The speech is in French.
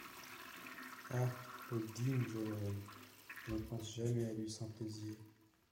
Ah ! le digne jeune homme ! je ne pense jamais à lui sans plaisir.